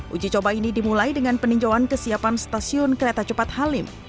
uji coba ini dimulai dengan peninjauan kesiapan stasiun kereta cepat halim